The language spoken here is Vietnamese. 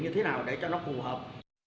như thế nào để cho nó phù hợp